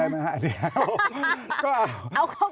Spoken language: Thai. ก็เอาข้าวก่อน